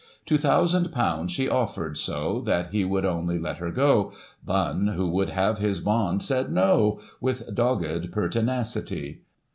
Two thousand pounds she off'ered, so That he would only let her go ; BuNN, who would have his bond, said No I With dogged pertinacity.